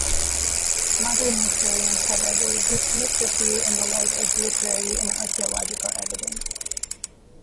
Modern historians, however, dispute this view in the light of literary and archaeological evidence.